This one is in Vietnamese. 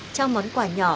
trao món quà nhỏ